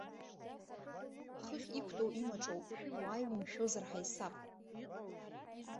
Хыхь иқәтәоу имаҿоуп, уааи умшәозар ҳаисап!